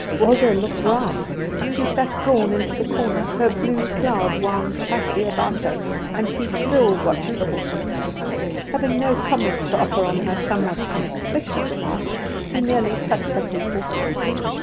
Waldo looked round; she sat drawn into the corner, her blue cloud wound tightly about her, and she still watched the horses' feet. Having no comment to offer on her somewhat unexpected remark, he merely touched up his horses.